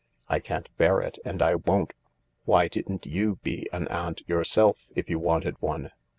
I can't bear it and I won't. Why didn't you be an aunt yourself, if you wanted one